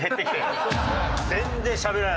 全然しゃべらない。